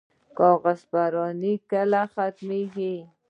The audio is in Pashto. کاغذ پراني کله ختمیږي؟